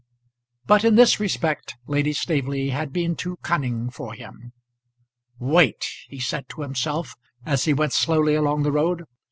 But in this respect Lady Staveley had been too cunning for him. "Wait!" he said to himself as he went slowly along the road.